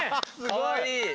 かわいい。